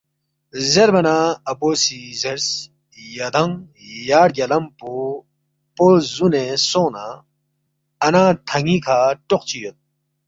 زیربا نہ اپو سی زیرس، ”یدانگ یا رگیالم پو پو زُونے سونگ نہ اَنا تھن٘ی کھہ ٹوق چی یود